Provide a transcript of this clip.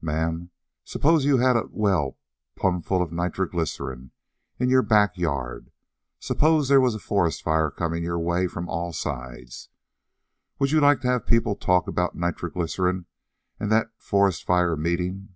"Ma'am, suppose you had a well plumb full of nitroglycerin in your back yard; suppose there was a forest fire comin' your way from all sides; would you like to have people talk about nitroglycerin and that forest fire meeting?